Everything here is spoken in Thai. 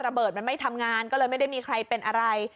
ระเบิดมันไม่ทำงานก็เลยไม่ได้มีใครเป็นอะไร